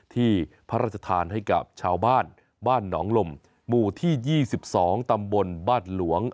ที่พระราชทานให้กับชาวบ้านบ้านหนองลมหมู่ที่๒๒ตำบลบ้านหลวง